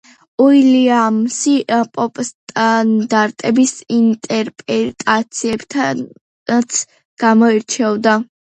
უილიამსი პოპსტანდარტების ინტერპრეტაციებითაც გამოირჩეოდა.